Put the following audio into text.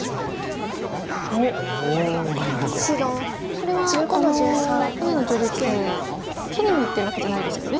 これは上野女流棋聖切りにいってるわけじゃないですよね。